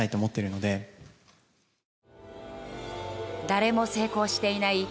誰も成功していない